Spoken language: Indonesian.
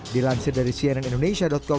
dilansir dari cnn indonesia com